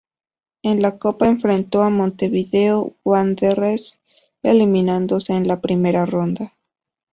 En la copa enfrentó a Montevideo Wanderers eliminándose en la primera ronda.